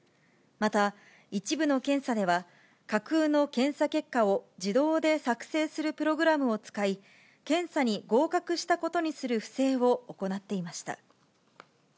また、一部の検査では、架空の検査結果を自動で作成するプログラムを使い、検査に合格したことにする不正を行っていました。